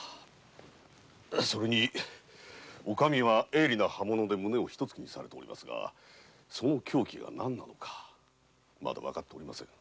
それにオカミは鋭利な刃物で胸を一突きにされておりますがその凶器が何かまだわかっておりません。